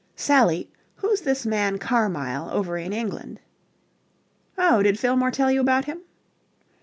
"Sally, who's this man Carmyle over in England?" "Oh, did Fillmore tell you about him?"